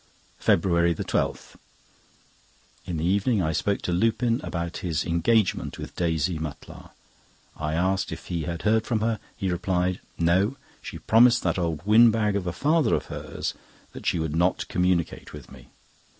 FEBRUARY 12.—In the evening I spoke to Lupin about his engagement with Daisy Mutlar. I asked if he had heard from her. He replied: "No; she promised that old windbag of a father of hers that she would not communicate with me.